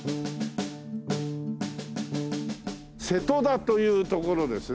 瀬戸田という所ですね。